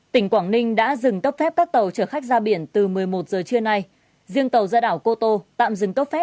tỉnh quảng ninh đã dừng cấp phép các tàu trở khách ra biển từ một mươi một h ba mươi